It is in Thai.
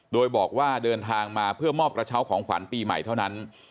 โดยบอกว่าเดินทางมาเพื่อมอบกระเช้าของขวัญปีใหม่เท่านั้น